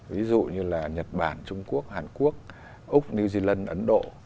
ví dụ như là nhật bản trung quốc hàn quốc úc new zealand ấn độ